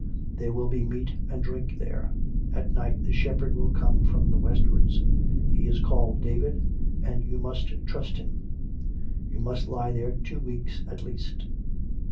There will be meat and drink there. At night the shepherd will come from the westwards ; he is called David^ and you may trust him. You must lie there two weeks at least."